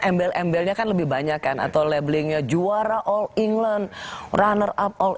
embel embelnya kan lebih banyak kan atau labelingnya juara all england runner up all